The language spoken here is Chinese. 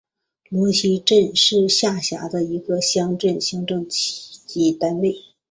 罗溪镇是下辖的一个乡镇级行政单位。